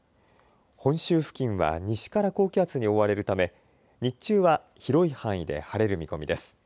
本州付近は西から高気圧に覆われるため日中は広い範囲で晴れる見込みです。